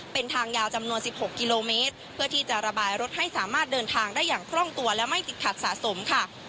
เป็นทางยาวจำนวน๑๖กิโลเมตรเพื่อที่จะระบายรถให้สามารถเดินทางได้อย่างคล่องตัวและไม่ติดขัดสะสมค่ะ